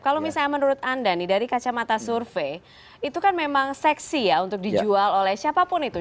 kalau misalnya menurut anda nih dari kacamata survei itu kan memang seksi ya untuk dijual oleh siapapun itu